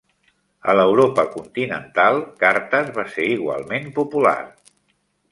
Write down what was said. A l'Europa continental, "Cartes" va ser igualment popular.